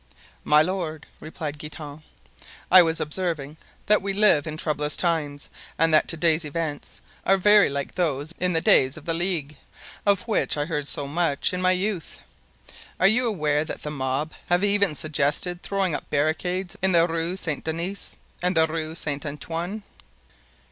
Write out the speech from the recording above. "My lord," replied Guitant, "I was observing that we live in troublous times and that to day's events are very like those in the days of the Ligue, of which I heard so much in my youth. Are you aware that the mob have even suggested throwing up barricades in the Rue Saint Denis and the Rue Saint Antoine?"